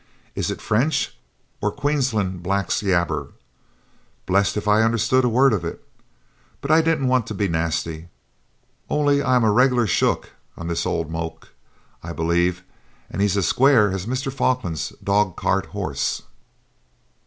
'Is it French or Queensland blacks' yabber? Blest if I understand a word of it. But I didn't want to be nasty, only I am regular shook on this old moke, I believe, and he's as square as Mr. Falkland's dogcart horse.'